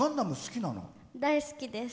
大好きです。